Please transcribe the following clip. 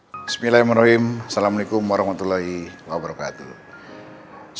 bismillahirrahim assalamualaikum warahmatullahi wabarakatuh